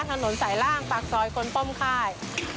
ถนนสายร่างปากสอยกลมค่าย